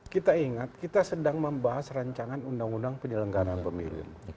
kita ingat kita sedang membahas rancangan undang undang penyelenggaraan pemilu